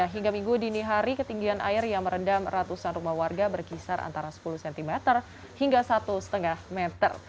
hingga minggu dini hari ketinggian air yang merendam ratusan rumah warga berkisar antara sepuluh cm hingga satu lima meter